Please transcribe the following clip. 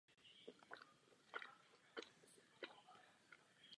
Album je důležitým mezníkem pro depresivní styl black metalu.